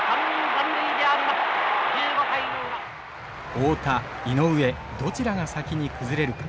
太田井上どちらが先に崩れるか。